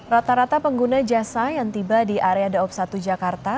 rata rata pengguna jasa yang tiba di area daob satu jakarta